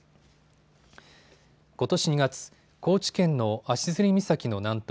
ことし２月、高知県の足摺岬の南東